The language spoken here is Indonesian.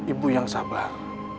ibu yang sabar